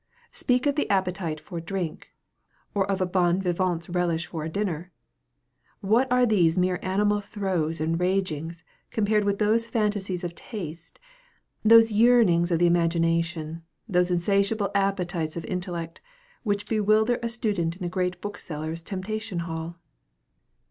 Speak of the appetite for drink; or of a bon vivant's relish for a dinner! What are these mere animal throes and ragings compared with those fantasies of taste, those yearnings of the imagination, those insatiable appetites of intellect, which bewilder a student in a great bookseller's temptation hall?